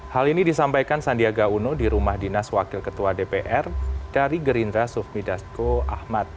hal ini disampaikan sandiaga uno di rumah dinas wakil ketua dpr dari gerindra sufmi dasko ahmad